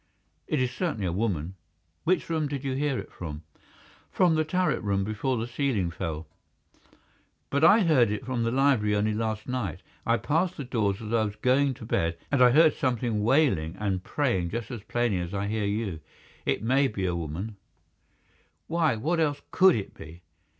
"It is certainly a woman." "Which room did you hear it from?" "From the turret room, before the ceiling fell." "But I heard it from the library only last night. I passed the doors as I was going to bed, and I heard something wailing and praying just as plainly as I hear you. It may be a woman——" "Why, what else COULD it be?"